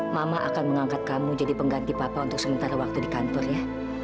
mama akan mengangkat kamu jadi pengganti papa untuk sementara waktu di kantor ya